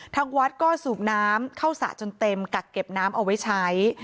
ทางวัดก็สูบน้ำเข้าสระจนเต็มกักเก็บน้ำเอาไว้ใช้